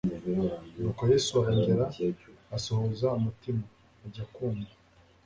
Nuko «Yesu arongera asuhuza umutima; ajya ku mva.